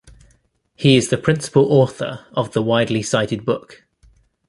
He is the principal author of the widely cited book.